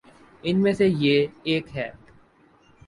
ان میں سے یہ ایک ہے۔